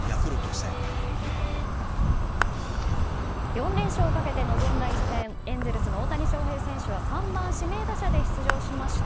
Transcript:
４連勝をかけて臨んだ一戦エンゼルスの大谷翔平選手は３番指名打者で出場しました。